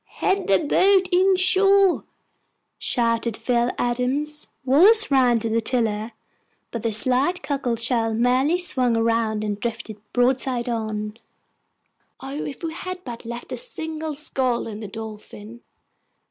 "Head the boat in shore!" shouted Phil Adams. Wallace ran to the tiller; but the slight cockle shell merely swung round and drifted broadside on. O, if we had but left a single scull in the Dolphin!